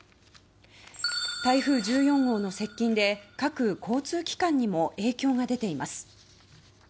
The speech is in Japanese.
台風１４号の接近で各交通機関にも影響が出ています。